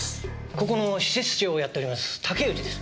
ここの施設長をやっております竹内です。